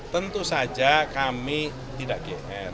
tentu saja kami tidak gn